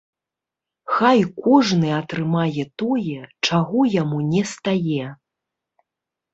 Хай кожны атрымае тое, чаго яму не стае.